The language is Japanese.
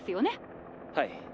はい。